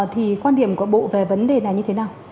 thì quan điểm của bộ về vấn đề này như thế nào